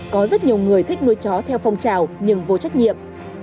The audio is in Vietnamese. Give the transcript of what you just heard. có rất nhiều người thích nuôi chó theo phong trào nhưng vô trách nhiệm